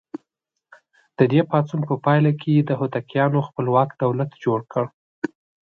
د دې پاڅون په پایله کې یې د هوتکیانو خپلواک دولت جوړ کړ.